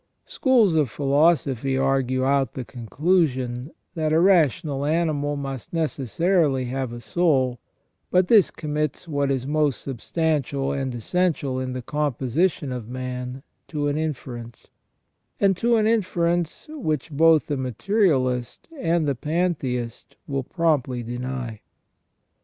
Schools of [philosophy argue out the conclusion, that a rational animal must necessarily have a soul, but this commits what is most substantial and essential in the composition of man to an inference : and to an inference which both the materialist and the pantheist will promptly deny.